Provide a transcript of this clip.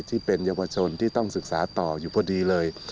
ที่เป็นเยาวชนที่ต้องศึกษาต่ออยู่พอดีเลย